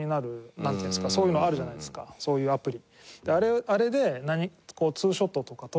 なんていうんですかそういうのあるじゃないですかそういうアプリ。